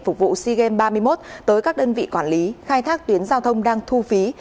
phục vụ sea games ba mươi một tới các đơn vị quản lý khai thác tuyến giao thông đang thu phí